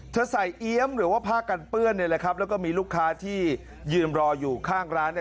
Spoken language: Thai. ใส่เอี๊ยมหรือว่าผ้ากันเปื้อนเนี่ยแหละครับแล้วก็มีลูกค้าที่ยืนรออยู่ข้างร้านเนี่ย